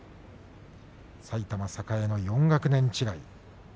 埼玉栄の４学年違い。